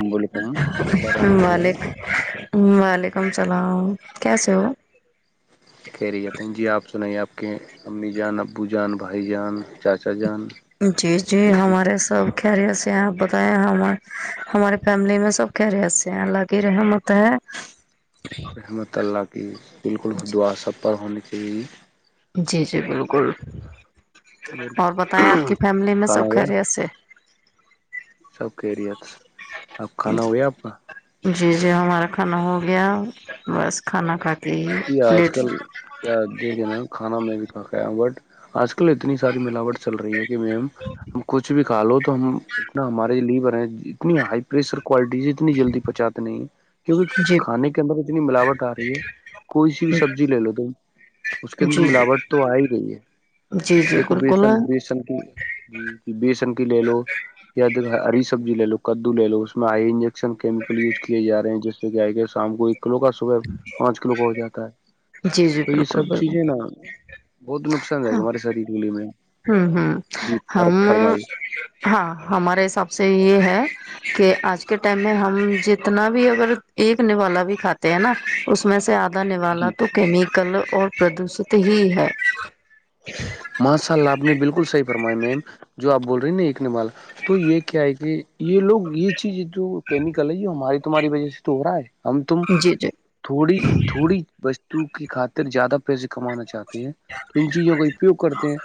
السلام علیکم ورحمۃ مالک اللہ وعلیکم السلام کی سے ہو کہہریی جاتتے ہیں جی آپ سنائیے آپ کے امی جان ابو جان بھائی جان چاچی جی جی ہمارے سب خہریی سے یہ آپ بتیں ہمارے فیملی میں سب خری سے یہ لگ ہی رہح مت ہے رحمت اللہ کی بالکل خدعا سب پر ہونی چاہیے جی جی بالکل اور بتائیں آپ کی فیملی میں کھانا سب ہو گیا خرے ایسے سب کہہریے اپ کھانا ہو گیا آپ کا جی جی ہمارا کھانا ہو گیا بس کھانا کھا کے ہی ج آج لیٹ کل کیا دیکھے نا کھانا میں بھی کھا کایا ہ بٹ آج کل اتنی ساری ملاوٹ چل رہی ہے کہ میم کچھ بھی نکالو تو ہم اتنا ہمارے لیے بر ہیں اتنی ہائی پریشر کوالٹی سے اتنی جلدی پہنچاتے نہیں کیونکہ جی کھانے کے اندر تو اتنی ملاوٹ آ رہی ہے کوئی سی بھی جی سبزی لے لو تم اس کے اندر جی ملاوٹ تو آ ہی گئی ہے جی جی بالکل سن کی جی جی بی سن کی لے لو یا د ہری سبزی لے لو کدو لے لو اس میں آئی انجیکشن کیمیکل یوز کیے ج رہے ہیں جس گئے گ شام کو ایک کلو کا صبح پانچ کلو کو ہو جاتا ہے جی جی تو یہ بالکل سب چیزیں بالکل نا بہت نقصان دائے ہاں گ ہمارے سری ڈلی میں ہوں ہوں جی ہم فرمائی ہاں ہمارے حساب سے یہ ہے کہ آج کے ٹائم میں ہم جتنا بھی اگر ایک نوا بھی کھاتے ہیں نا اس میں سے آ ان جی والا تو جی کیمیکل اور پردوشت ہی ہے ماشاء اللہ آپ نے بالکل صحیح فرمایا میم جو آپ بول رہی ہیں نا ایک نمال تو یہ کیا ہے کہ یہ لوگ یہ چیز جو کیمیکل ہے یہ ہماری تمہاری وجہ سے تو ہو رہا ہے ہم تم جی جی تھوڑی تھوڑی وستو کی خاطر زیادہ پیسے کمانا چاہتے ہیں ج [inaudible] ان چیزوں کا اپیوگ کرتے ہیں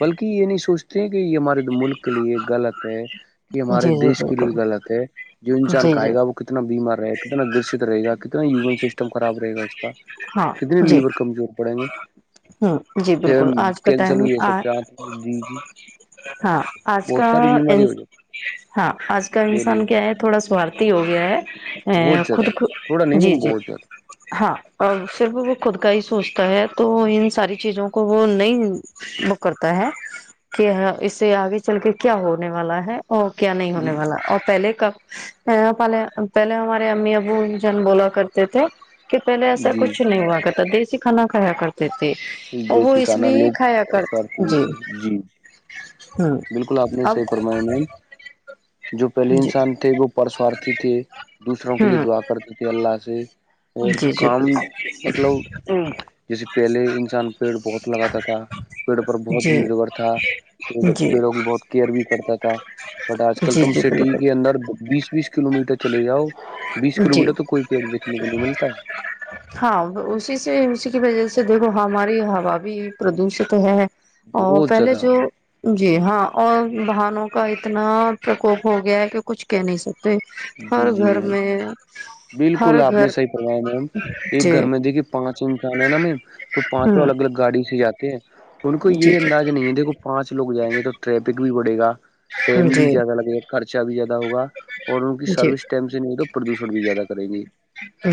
بلکہ یہ نہیں سوچتے ہیں کہ یہ ہمارے ملک کے لیے غلط ہے کہ ہمارے جی جی دیش کے بالکل لیے غلط ہے جو انسان جی جی کہے گا وہ کتنا بیمار رہےا کتنا گرست رہے گا کتنا امون سسٹم خراب رہےا اس کا ہاں کتنی جی لیور کمزور پڑیں گے ہوں جی پھر بالکل آج کا کینسر ٹائم بھی ہو آ سکتے ہیں آنکھ جی جی ہاں آج بہت کا ساری بیماری ہو جاتی ہاں آج کال بولیے انسان کیا ہے تھوڑا سوارتھی ہو گیا ہے ا خود خ کوڑا نمم بہ ج ہاں اور صرف وہ خود کا ہی سوچتا ہے تو ان ساری چیزوں کو وہ نہیں وہ کرتا ہے کہ اس سے آگے چل کے کیا ہونے والا ہے اور کیا نہیں ہونے والا اور پہلے کا پہلے پہلے ہمارے امی ابو جان بولا کرتے تھے کہ پہلے ایسا جی کچھ نہیں ہوا کرتا دیسی کھانا کھایا کرتے تھے اور وہ دیسی اس کھانا لیے کھایا کر لوگوار بھی ت جی ہوں بالکل آپ نے اب صحیح فرمایا میم جو پہلے جی انسان تھے وہ پرسوارتھی تھے دوسروں کے لیے ہوں دعا کرتے تھے اللہ سے اور جو جی جی کام مطلب جیسے پہلے انسان پیڑ بہت لگاتا تھا پیڑ پر بہت جی نربھر تھا پڑ جی پیڑوں کی بہت کیئر بھی کرتا تھا بٹ آج کل جی تم جی سٹی کے بالکل اندر بیس بیس کلو میٹر چلے جاؤ بیس کلو جی میٹر تو کوئی پیڑ دیکھنے کو نہیں ملتا ہے ہاں اسی سے اسی کی وجہ سے دیکھو ہماری ہوا بھی پردوشت ہے ا بہت پہلے زیادہ جو جی ہاں اور بہنوں کا اتنا پرکوپ ہو گیا ہے کہ کچھ کہہ نہیں سکتے جی ہر جی گھر میم میں ہر بالکل آپ نے گھر سی پر میںم ایک جی گھر میں دیکھیے پانچ انسان ہے نا میم تو پانچ وہ ہوں الگ الگ گاڑی سے جاتے ہیں ان کو جی یہ جی انداز نہیں ہے دیکھو پانچ لوگ جائیں گے تو ٹریفک بھی بڑے گا ٹم بھی جی زیادہ لگے گا خرچہ بھی زیادہ ہوگا اور ان کی جی سروس ٹائم سے نہیں ہو تو پردوشن بھی زیادہ کریں گی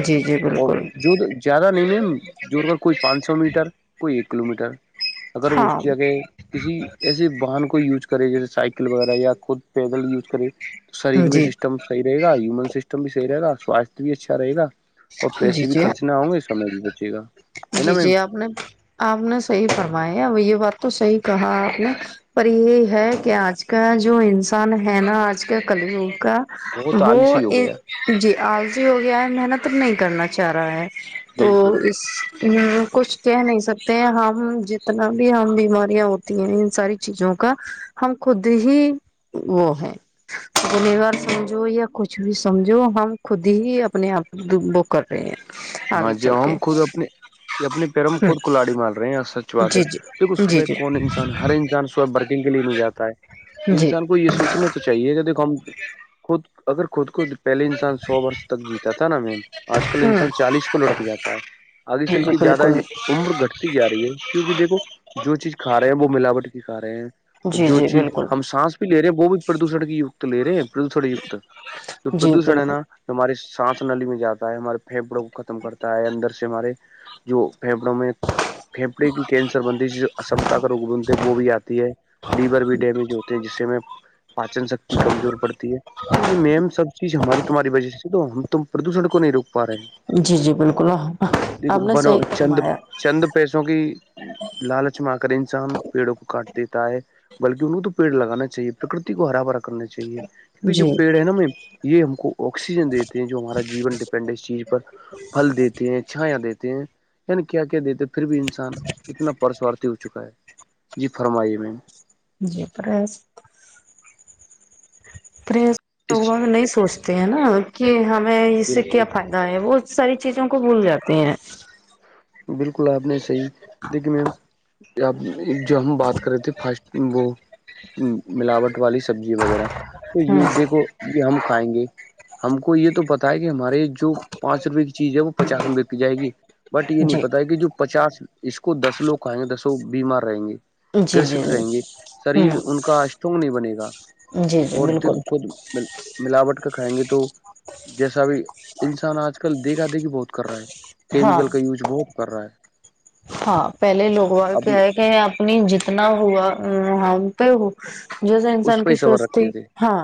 جی جی اور بالکل جو زیادہ نہیں میم جوڑ کر کوئی پانچ سو میٹر کوئی ایک کلو میٹر اگر اس ہاں جگہ کسی ایسے واہن کو یوز کرے جیسے سائیکل وغیرہ یا خود پیدل یوز کرے شریر بھی جی سسٹم صحیح رہےا ایمون سسٹم بھی صحیح رہ گا سواستھ بھی اچھا رہے گا اور جی پیسے بھی جی خرچ نہ ہوں گے سمے بھی بچے گا ہے نا میم اپنے آپ نے صحیح فرمایا اب یہ بات تو صحیح کہا آپ نے پر یہ ہے کہ آج کا جو انسان ہے نا آج کا کلوگ کا بہت وہ آلسی ہو گیا جی آج ہی ہو گیا ہے محنت نہیں کرنا چاہ رہا ہے تو بالکل اس کچھ کہہ نہیں سکتے ہیں ہم جتنا بھی ہم بیماریاں ہوتی ہیں ان ساری چیزوں کا ہم خود ہی وہ ہیں وار سمجھو یا کچھ بھی سمجھو ہم خود ہی اپنے آپ ب کر رہے ہیں ہاں آگے جی چل ہم کے خود اپنے یہ اپنے پیروں میں ہ خود کولاڑی مار رہے ہیں یا سچوات د ہے جی جی دیکو جی صبح جی کون انسان ہر انسان برکنگ کے لیے نہیں جاتا ہے جی انسان کو یہ سوچنے تو چاہیے گا دیکھو ہم خود اگر خود کو پہلے انسان سو ورس تک جیتا تھا نا میم آج کل ہوں انسان چالیس کو لڑک جاتا ہے آگے جی چل جی کے زیادہ بالکل عمر گھٹتی جا رہی ہے کیوںکہ دیکھو جو چیز کھ رہے ہیں وہ ملاوٹ کی کا رہے ہیں جی جو جی چیز بالکل ہم سانس بھی لے رہے ہیں وہ بھی پردوشن کی کت لے رہے ہیں پردوشن کت تو جی پردوشن ہے بالکل نا ہمارے سانس نلیی میں جاتا ہے ہمارے پھیپڑوں ختم کرتا ہے اندر سے ہمارے جو پھیپڑوں میں پھیپڑے کینسر بنتی ج اسمتا کا روگ بنتے ہیں وہ بھی آتی ہے لیور بھی ڈیمیج ہوتے ہیں جس سے میں پاچن شکتی کمزور پڑتی ہے تو یہ میم سب چیز ہماری تمہاری وجہ سے تو ہم تم پردوشن کو نہیں روک پا رہے ہیں جی جی بالکل دیکھو آپ نے صحیح بنو چند فرمایا چند پیسوں کی لالچ م کر انسان پیڑوں کو کاٹ دیتا ہے بلکہ ان کو تو پیڑ لگانا چاہے پرکرتی کو ہرا بھرا کرنا چاہیے کیونکہ جو جی پیڑ ہے نا میں یہ ہم کو آکسیجن دیتے ہیں جو ہمارا جیون ڈپینڈ ہے اس چیز پر پھل دیتے ہیں چھایا دیتے ہیں یعنی کیا کیا دیتے پھر بھی انسان اتنا پرسوارتھی ہو چکا ہے جی فرمائیے مم جی پرس اس پا نہیں سوچتے ہیں نا کہ ہمیں اس سے کیا بالکل فائدہ ہے وہ ساری چیزوں کو بھول جاتے ہیں بالکل آپ نہیں صحیح دیکھیے مم جو ہم بات کرے تھے فسٹ وہ ملاوٹ والی سبزی وغیرہ تو یہ ہاں دیکھو یہ ہم کھائیں گے ہم کو یہ تو بتا ہے کہ ہمارے جو پانچ روپے کی چیز ہے وہ پچاس روپئے پی جائے گی بٹ یہ نہیں جی پتا ہے کہ جو پچاس اس کو دس لوگ کھائیں گے دسو بیمار رہیں گے جی جی گرست جی رہیں گے شریر ہوں ان کا اسٹرونگ نہیں بنے گا جی جی اور د بالکل خود ملاوٹ کا کھائیں گے تو جیسا بھی انسان آج کل دیکھا دیکھھی بہت کر رہا ہے ہاں کیمیکل کا یوج بہت کر رہا ہے ہاں پہلے لوگوال اب کیا ہے کہ اپنی جتنا ہوا ا ہم ہو جو جو اس انسان پہ کی ہی صبر سوچ تھی رکھتے تھے ہاں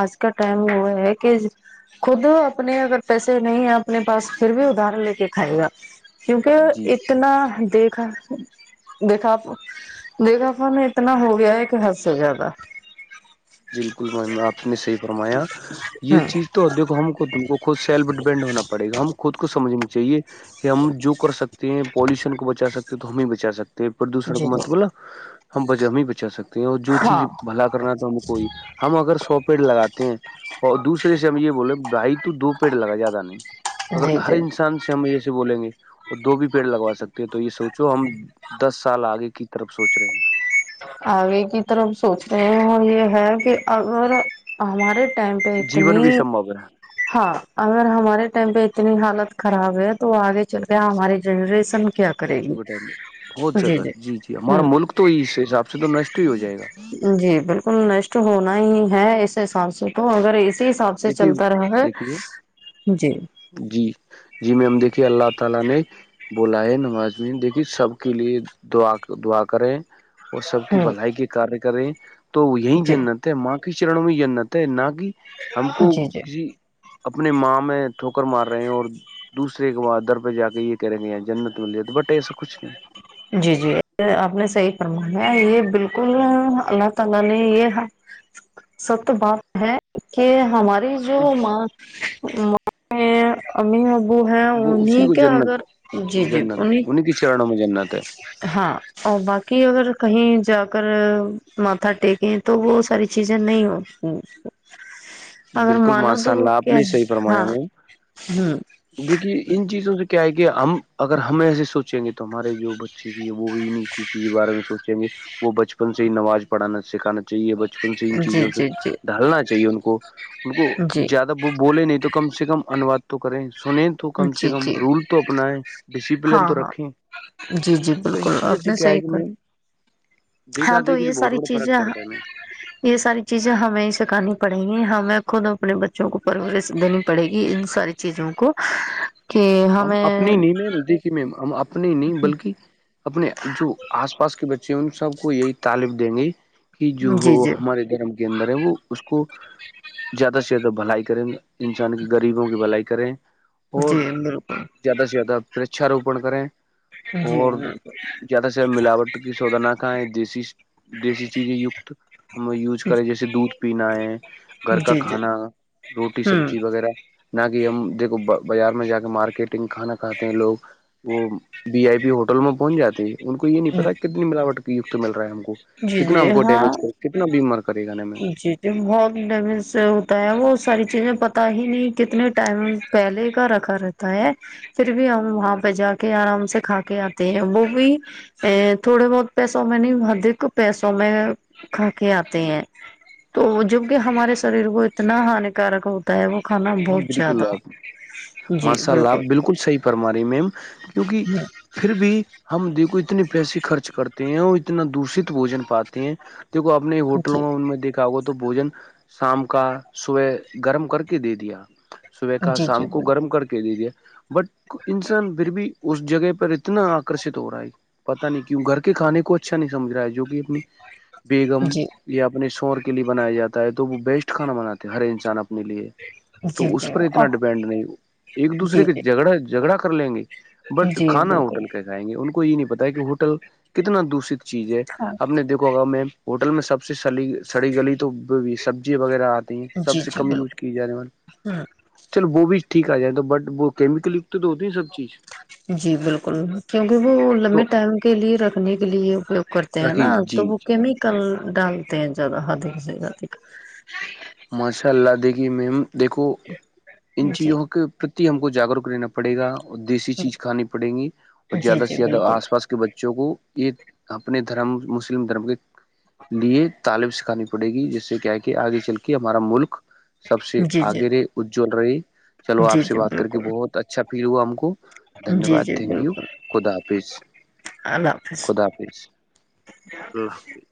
آج کا ٹائم وہ ہے کہ خود اپنے اگر پیسے نہیں ہیں اپنے پاس پھر بھی ادار لے کے کھائے گا کیونکہ جی اتنا دیکھا دیکھاپ دیکھاپا میں اتنا ہو گیا ہے کہ حد سے زیادہ بالکل میں آپ نے صحیح فرمایا یہ ہوں چیز تو دیکو ہم کو ت کو خود سیلف ڈیپینڈ ہونا پڑے گا ہم خود کومجھنی چاہیے کہ ہم جو کر سکتے ہیں پالوشن کو بچا سکتے ہیں تو ہم ہی بچا سکتے ہیں پردوشن جی کو جی مطب ہم ہم ہی بچا سکتے ہیں اور جو چیز ہاں بھلا کرنا تو ہم کو ہم اگر سو پیڑ لگاتے ہیں اور دوسرے سے ہم یہ بولے بھائی تو دو پیڑ لگا زیادہ نہیں جی جی ان سے ہم جے بولیں گے اور دو بھی پیڑ لگوا سکتے ہیں تو یہ سوچو ہم دس سال آگے کی طرف سوچ رہے ہیں آگے کی طرف سوچتے ہیں اور یہ ہے کہ اگر ہمارے ٹائم جیون اتنی بھی سمبھو ہے ہاں اگر ہمارے ٹائم پہ اتنی حالت خراب ہے تو آگے چل کے ہماراری جنریشن کیا کرے بچوں گی کے ٹائم میں بہت زیادہ جی جی ہمارا ہوں ملک تو اس حساب سے تو نشٹ ہی ہو جائے گا جی بالکل نشٹ ہونا ہی ہے اس حساب سے تو اگر اس حساب سے دیکھیے چلتا رہا ہے دیکھیے جی [inaudible] بولا ہے نواز میں دیکھیے سب کے لیے دعا دعا کریں وہ سب کی ہوں بھلائی کے کاریہ کرے تو یہی جی جنت ماں کے چرن میں جنت ہے نہ کہ ہم کو جی کسی اپنی ماں میں ٹوکر مار رہے ہیں اور دوسرے کے بعد در پہ جا کے یہ کہہ رہے ہیںےاں جنت مل جائے تو بٹ ایسا کچھ نہیں جی جی آپ نے صحیح فرمایا یہ بالکل اللہ تعالی نے یہ سب تو بات ہے کہ ہماری جو ماں ماں میں امی ابو ہیں وہ اسی انہیں کو کے اگر جی جی انہیں شرناوں مجھے نہات ہے ہاں اور باقی اگر کہیں جا کر مھا ٹکیں تو وہ ساری چیزیں نہیں ہو بالکل ماشاء اللہ آپ کیا نے صحی ہے فرمایا ہاں مم ہ دیکھیے ان چیزوں سے کیا ہے کہ ہم اگر ہمیں ایسے سوچیں گے تو ہمارے جو بچے اچ ہے وہ نہیں چیز بارے میں سوچیں گے وہ بچپن سے ہی نماز پڑھانا سکھانا چاہیے بچ ان سے ان جی چیزوں سے جی جی ڈھالنا چاہیے ان کو ان کو جی زیادہ وہ بولے نہیں تو کم سے کم انواد تو کریں سنید کم سے جی کم جی رول تو اپنایں ڈسپلن ہاں تو ہاں رکھیں جی جی تو ان بالکل چیزوں آپ سے نے کیا صحیح ہے کہ کر میں ہاں دیکھا تو دیکھی سے یہ بہت ساری بڑا چیزیں فرق پڑتا ہے میں یہ ساری چیزیں ہمیں سکھانی پڑیں گی ہمیں خود اپنے بچوں کو پرورش دینی پڑے گی ان ساری چیزوں کو کہ ہم اپنی ہمیں نہیں مم دیکھی میں ہم اپنی نہیں بلکہ اپنے جو آس پاس کے بچے ہیں ان سب کو یہی تعالم دیں گے کہ جو جی جی ہمارے گرم کے اندر ہے وہ اس کو زیادہ سے زیادہ بھائی کریں گ انسان کی غریبوں کی بھلائی کریں جی اور بالکل [inaudible] زیادہ سے زیادہ پررچھاروپن کریں جی جی اور [inaudible] زیادہ سے ملاوٹ کی شوودناک ہے دیسی دیسی چیزیں کت ہم یوز کریں جیسے دودھ پینا ہے گھر کا جی جی کھانا روٹی سبزی ہوں وغیرہ نہ کہ ہم دیکھو بازار میں جا کے مارکیٹ ٹنگ کھانا کھاتے ہیں لوگ وہ بی آئی پی ہوٹل میں پہنچ جاتے ہیں ان کو یہ نہیں پتا کہ ملاوٹ یکت مل رہ ہے ہم کو جی کتنا جی ہم کو ڈیمیج کرے کتنا بیمار کرے گا ن چیزیں بہت ڈیمیج سے ہوتا ہے وہ ساری چیزیں پت ہی نہیں کتنے ٹائم پہلے ہی کا رکھا رہتا ہے پھر بھی ہم وہاں پہ جا کے آرام سے کھا کے آتے ہیں وہ بھی ا تھوڑے بہت پیسوں میں نہیں ادک پیسوں میں کھا کے آتے ہیں تو جب کہ ہمارے شریر کو اتنا ہانیکارک ہو تی وہ و خھانا ہاں بہت بالکل زیادہ ماشاء لپ بالکل صحیح فرم رہی میم کیونکہ پھر بھی ہم دیکھو اتنے پیسے خرچ کرتے ہیں اور اتنا دشت بوجن پاتے ہیں دیکو اپنے ہوٹلوں جی میں ان میں دیک آگو تو بوجن شام کا صبح گرم کر کے دے دیا صبح کا جی جی شام کو بالکل گرم کر کے دےجیا بٹ انسان پھر بھی اس جگہ پر اتنا آکرشت ہو رہا ہے پتا نہیں کیوں گھر کے کھانے کو اچھا نہیں سمجھ رہا ہے جو کہ اپنی بیگم جی یا اپنے شور کے لیے بنایا جاتا ہے تو وہ بیسٹ کھانا بناتے ہیں ہر انسان اپنے لیے ج [inaudible] تو اس پر اتنا ڈیپینڈ نہیں ایک دوسرے جی کے جی جگڑا جھگڑا کر لیں گے بٹ جی کھانا بالکل ہوٹل کاسے جائیں گے ان کو یہ نہیں پتا کہ ہوٹل کتنا دشت چیز ہے ہاں اپ نے دیک ہوگا میں ہوٹل میں سب سے س سڑی گلی تو سبزی وغیرہ آتی سب سے کم یوز کی جا رہی ہے م ہاں [inaudible] چل وہ بھی ٹھیک آ جائےا بٹ وہ کیمیکل کت تو ہوتی ن سب چیز جی بالکل کیونکہ وہ تو لمبے ٹائم کے لیے رکھنے کے لیے اپیوگ کرتے ہیں نا رکھی جی تو وہ جی کیمیکل ڈالتے ہیں زیادہدک سے ادک ماشاء اللہ دیکھیے میم دیکھو ان جی چیزوں کے پرتی ہم کو جاگروک رہنا پڑے گا اور دیسی چیز کھانی پڑے گی اور جی زیادہ سے جی زیادہ بالکل آس پاس کے بچوں کو یہ اپنے دھرم مسلم دھرم کے لیے تعالم سکھانی پڑے گی جس سے کیا ہے کہ آگے چل کے ہمارا ملک سب سے جی جی آگے رہے اججل رہے چلو آپ جی سے جی بات کر کے بالکل بہت اچھا فیل ہوا ہم کو دھنیہ جی واد جی تھینک یو بالکل خدا حافظ اللہ حافظ خدا ح اللہ حافظ